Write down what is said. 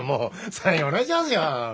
サインお願いしますよ。